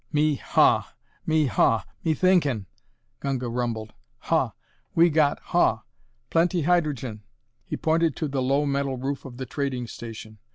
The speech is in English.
"Me, haw! Me, haw! Me thinkin'," Gunga rumbled. "Haw! We got, haw! plenty hydr'gen." He pointed to the low metal roof of the trading station.